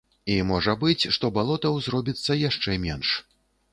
І можа быць, што балотаў зробіцца яшчэ менш.